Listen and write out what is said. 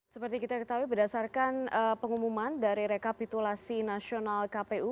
seperti kita ketahui berdasarkan pengumuman dari rekapitulasi nasional kpu